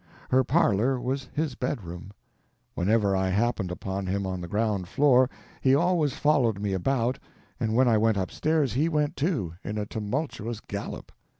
Her parlor was his bedroom. Whenever I happened upon him on the ground floor he always followed me about, and when I went upstairs he went too—in a tumultuous gallop.